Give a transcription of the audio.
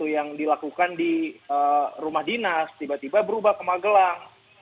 yang dilakukan di rumah dinas tiba tiba berubah ke magelang